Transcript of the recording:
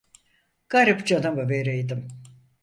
Garip canımı vereydim.